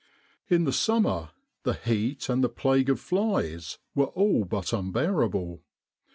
In the summer, the heat and the plague of flies were all but unbearable.